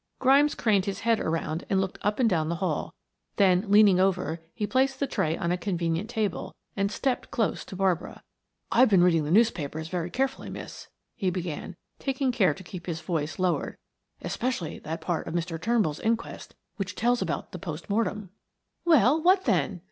Grimes craned his head around and looked up and down the hall, then leaning over he placed the tray on a convenient table and stepped close to Barbara. "I've been reading the newspapers very carefully, miss," he began, taking care to keep his voice lowered. "Especially that part of Mr. Turnbull's inquest which tells about the post mortem." "Well, what then?"